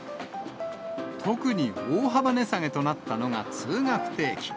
特に大幅値下げとなったのが通学定期。